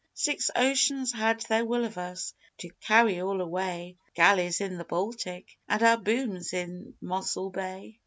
Six oceans had their will of us To carry all away Our galley 's in the Baltic, And our boom 's in Mossel Bay!